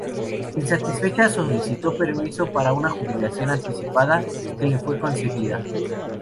Insatisfecha, solicitó permiso para una jubilación anticipada que le fue concedida.